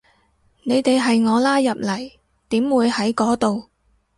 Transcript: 你哋係我拉入嚟，點會喺嗰度